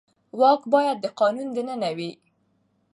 واک باید د قانون دننه وي